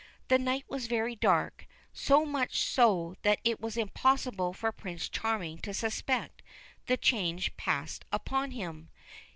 The night was very dark ; so much so that it was impossible for Prince Charming to suspect the change passed upon him.